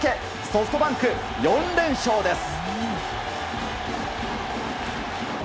ソフトバンク、４連勝です。